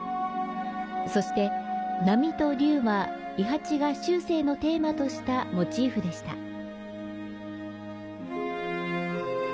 そして波と龍は、伊八が終生のテーマとしたモチーフでした。